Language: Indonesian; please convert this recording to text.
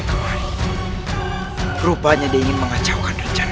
sehingga kejadian depan